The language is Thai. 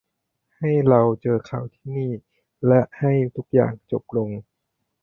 ให้เราเจอเขาที่นี่และให้ทุกอย่างจบลง